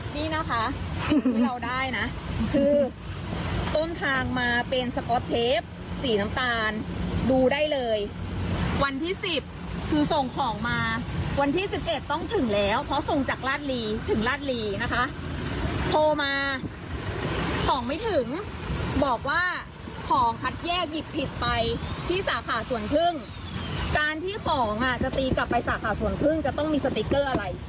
จะตีกลับไปสาขาส่วนพึ่งจะต้องมีสติ๊กเกอร์อะไร